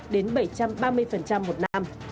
đến bảy trăm ba mươi một năm